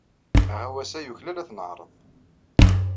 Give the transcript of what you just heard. Aɣawas-a yuklal ad t-neɛreḍ.